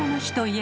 え？